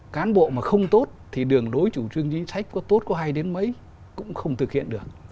cán bộ mà không tốt thì đường lối chủ trương chính sách có tốt có hay đến mấy cũng không thực hiện được